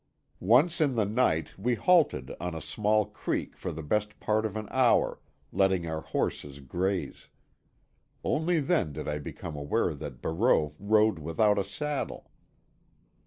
Once in the night we halted on a small creek for the best part of an hour, letting our horses graze. Only then did I become aware that Barreau rode without a saddle.